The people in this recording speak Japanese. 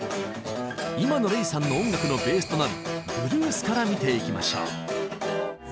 今のＲｅｉさんの音楽のベースとなるブルースから見ていきましょう。